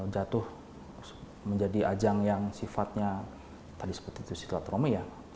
jatuh menjadi ajang yang sifatnya tadi seperti itu si dr romy ya